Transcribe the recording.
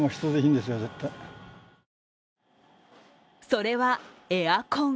それはエアコン。